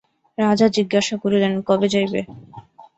রাজা জিজ্ঞাসা করিলেন, কবে যাইবে।